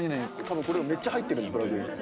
多分めっちゃ入ってるんでプラグイン。